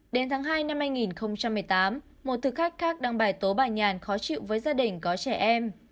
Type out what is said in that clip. đến tháng hai năm hai nghìn một mươi tám một thực khách khác đăng bài tố bà nhàn khó chịu với gia đình có trẻ em